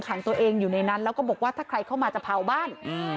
ขังตัวเองอยู่ในนั้นแล้วก็บอกว่าถ้าใครเข้ามาจะเผาบ้าน